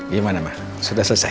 gimana ma sudah selesai